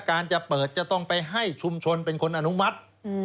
การจะเปิดจะต้องไปให้ชุมชนเป็นคนอนุมัติ